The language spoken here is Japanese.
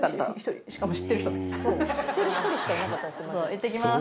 いってきます！